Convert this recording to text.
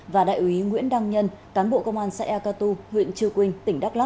và đại úy nguyễn đăng nhân cán bộ công an xã ea ca tu huyện chư quynh tỉnh đắk lắk